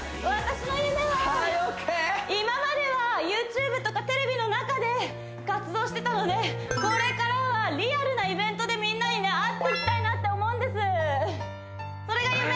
今まではＹｏｕＴｕｂｅとかテレビの中で活動してたのでこれからはリアルなイベントでみんなに会ってみたいなって思うんですそれが夢！